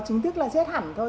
chính thức là xét hẳn thôi